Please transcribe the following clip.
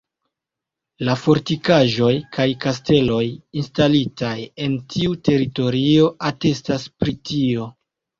La fortikaĵoj kaj kasteloj instalitaj en tiu teritorio atestas pri tio.